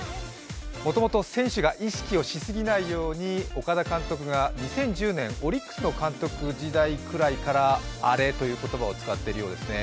もともと選手が意識をしすぎないように岡田監督が２０１０年オリックスの監督時代からアレという言葉を使っているようですね。